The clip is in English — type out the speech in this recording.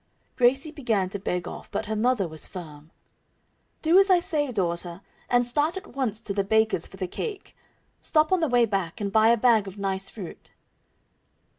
Gracie began to beg off, but her mother was firm. "Do as I say, daughter, and start at once to the baker's for the cake. Stop on the way back and buy a bag of nice fruit."